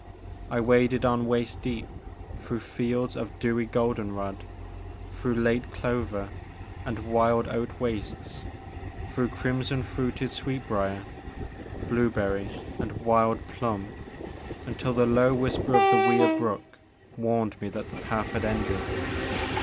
I waded on waist deep through fields of dewy golden rod, through late clover and wild oat wastes, through crimson fruited sweetbrier, blue berry, and wild plum, until the low whisper of the Wier Brook warned me that the path had ended.